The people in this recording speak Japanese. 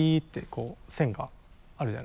こう線があるじゃないですか。